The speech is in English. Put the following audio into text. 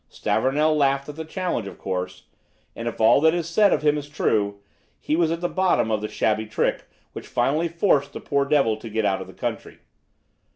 Stavornell laughed at the challenge, of course; and if all that is said of him is true, he was at the bottom of the shabby trick which finally forced the poor devil to get out of the country.